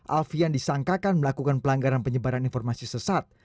alfian disangkakan melakukan pelanggaran penyebaran informasi sesat